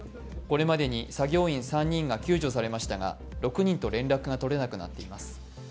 これまでに作業員３人が救助されましたが６人と連絡が取れなくなっています